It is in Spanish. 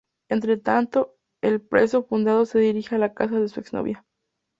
Entretanto, el preso fugado se dirige a la casa de su ex novia.